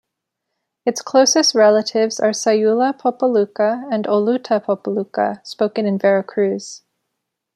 Its closest relatives are Sayula Popoluca and Oluta Popoluca spoken in Veracruz.